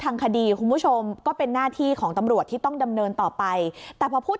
ทางคดีคุณผู้ชมก็เป็นหน้าที่ของตำรวจที่ต้องดำเนินต่อไปแต่พอพูด